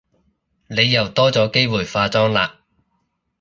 你又多咗機會化妝喇